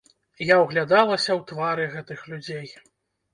Я ўглядалася ў твары гэтых людзей.